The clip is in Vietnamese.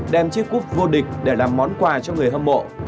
đem chiếc cúp vô địch để làm món quà cho người hâm mộ